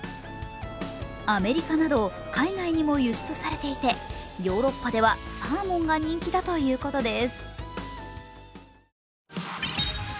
アメリカなど海外にも輸出されていてヨーロッパではサーモンが人気だということです。